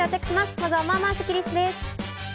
まずは、まあまあスッキりすです。